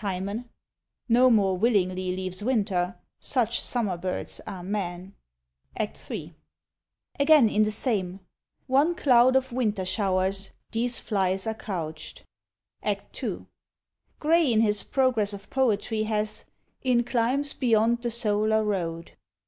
Timon. Nor more willingly leaves winter; such summer birds are men. Act iii. Again in the same, one cloud of winter showers These flies are couch'd. Act ii. Gray, in his "Progress of Poetry," has In climes beyond the SOLAR ROAD.